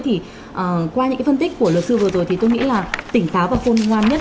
thì qua những phân tích của luật sư vừa rồi thì tôi nghĩ là tỉnh táo và phôn ngoan nhất